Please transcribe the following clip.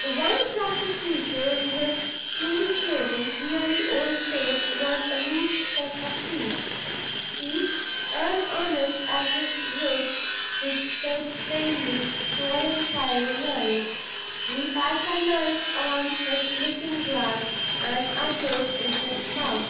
The one attractive feature in his clean shaven, weary old face was a neat set of teeth teeth (as honest as his wig) which said plainly to all inquiring eyes, "We pass our nights on his looking glass, and our days in his mouth."